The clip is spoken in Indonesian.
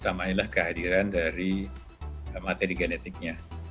utamanyalah kehadiran dari materi genetiknya